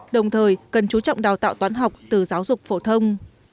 đồng thời cần chú trọng đào tạo toán học từ giáo dục phổ thông